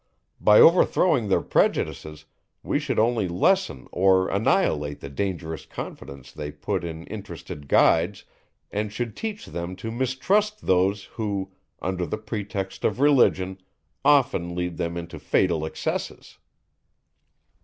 By overthrowing their prejudices, we should only lessen or annihilate the dangerous confidence they put in interested guides, and should teach them to mistrust those, who, under the pretext of Religion, often lead them into fatal excesses.